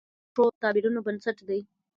قلم د ښو تعبیرونو بنسټ دی